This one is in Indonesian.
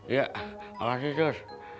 iya alasin sur